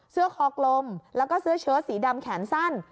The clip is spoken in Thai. คอกลมแล้วก็เสื้อเชิดสีดำแขนสั้น